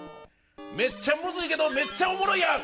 めっちゃむずいけどめっちゃおもろいやん！